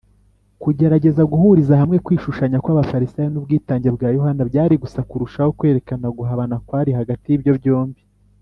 kugerageza guhuriza hamwe kwishushanya kw’abafarisayo n’ubwitange bwa yohana byari gusa kurushaho kwerekana guhabana kwari hagati y’ibyo byombi